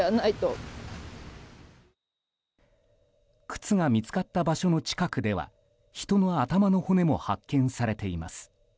靴が見つかった場所の近くでは人の頭の骨も発見されています。